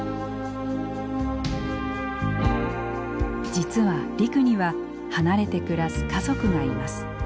実はリクには離れて暮らす家族がいます。